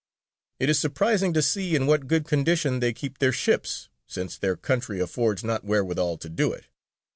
"It is surprising to see in what good condition they keep their ships, since their country affords not wherewithal to do it....